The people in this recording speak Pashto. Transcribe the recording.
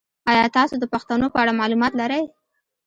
ایا تاسو د پښتنو په اړه معلومات لرئ؟